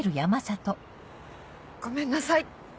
ごめんなさい！